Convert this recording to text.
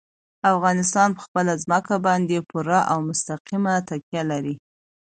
افغانستان په خپله ځمکه باندې پوره او مستقیمه تکیه لري.